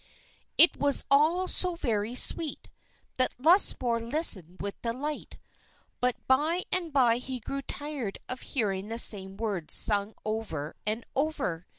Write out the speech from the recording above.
_" It was all so very sweet, that Lusmore listened with delight; but by and by he grew tired of hearing the same words sung over and over.